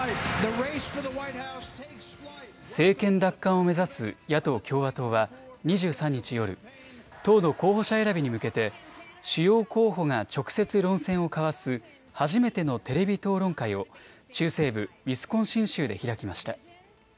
政権奪還を目指す野党・共和党は２３日夜、党の候補者選びに向けて主要候補が直接論戦を交わす初めてのテレビ討論会を中西部ウィスコンシン州で開きました。